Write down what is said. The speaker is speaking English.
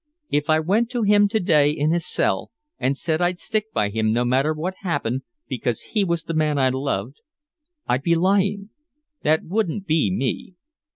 If I went to him to day in his cell and said I'd stick by him no matter what happened because he was the man I loved I'd be lying that wouldn't be me.